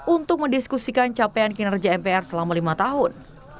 untuk mendiskusikan capaian kinerja mpr selama lima tahun